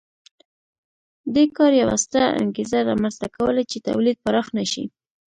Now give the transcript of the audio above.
دې کار یوه ستره انګېزه رامنځته کوله چې تولید پراخ نه شي